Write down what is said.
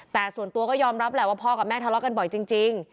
แต่ส่วนตัวก็ยอมรับแหละว่าพ่อกับแม่ทะเลาะกันบ่อยจริง